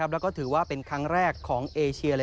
แล้วก็ถือว่าเป็นครั้งแรกของเอเชีย